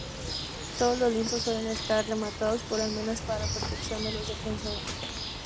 Todos los lienzos suelen estar rematados por almenas para la protección de los defensores.